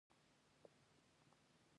زه ډاډه یم چې تاسو مناسب چلند کوئ.